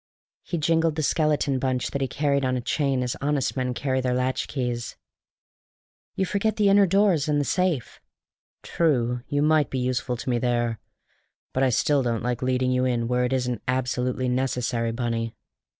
And he jingled the skeleton bunch that he carried on a chain as honest men carry their latchkeys. "You forget the inner doors and the safe." "True. You might be useful to me there. But I still don't like leading you in where it isn't absolutely necessary, Bunny."